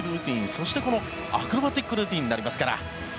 そして、このアクロバティックルーティンになりますから。